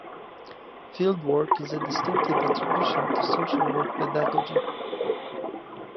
Field work is a distinctive attribution to social work pedagogy.